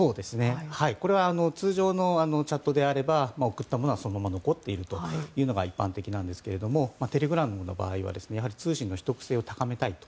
これは通常のチャットであれば送ったものはそのまま残っているというのが一般的なんですけれどもテレグラムの場合は通信の秘匿性を高めたいと。